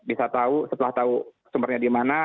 bisa tahu setelah tahu sumbernya di mana